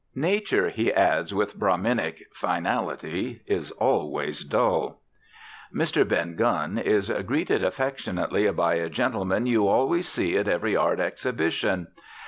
"Nature," he adds with Brahminic finality, "is always dull." Mr. Ben Gunn is greeted affectionately by a gentleman you always see at every art exhibition.